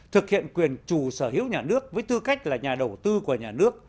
thực hiện quyền chủ sở hữu nhà nước với tư cách là nhà đầu tư của nhà nước